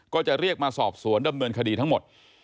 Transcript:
ก็จะเรียกมาสอบสวนดำเนินคดีทั้งหมด